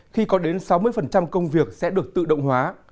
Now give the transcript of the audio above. khi có đến sáu mươi công việc sẽ được tự động hóa